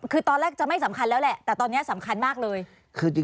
คือตอนแรกจะไม่สำคัญแล้วแหละแต่ตอนนี้สำคัญมากเลย